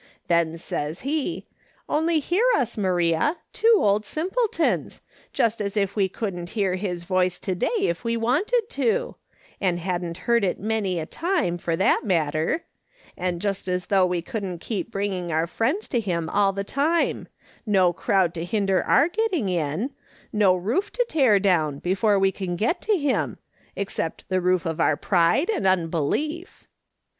Then says he :' Only hear us, ^laria, two old simpletons I Just as if we couldn't hear his voice to day if we wanted to — and hadn't heard it many a time, for tiiat matter — and just as though we couldn't keep bringing our friends to him all the time ; no crowd to hinder our getting in ; no roof to tear down before we can get to him, except the roof of our pride and unbelief.'